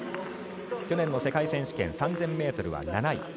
去年の世界選手権３０００ｍは７位。